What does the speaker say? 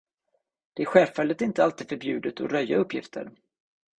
Det är självfallet inte alltid förbjudet att röja uppgifter.